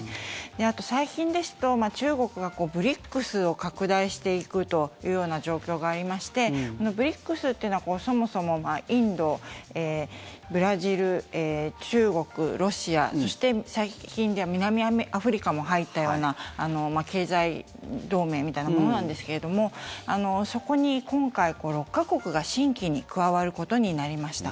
あと最近ですと、中国がＢＲＩＣＳを拡大していくというような状況がありましてＢＲＩＣＳというのはそもそもインド、ブラジル、中国、ロシアそして最近では南アフリカも入ったような経済同盟みたいなものなんですけどもそこに今回、６か国が新規に加わることになりました。